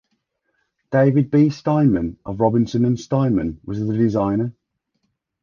David B. Steinman, of Robinson and Steinman, was the designer.